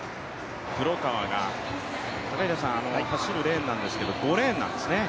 黒川が走るレーンなんですけど、５レーンなんですね。